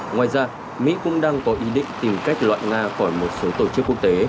ngoài ra mỹ cũng đang có ý định tìm cách loại nga khỏi một số tổ chức quốc tế